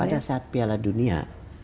pada saat piala dunia